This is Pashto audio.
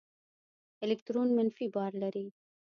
الکترون منفي بار لري.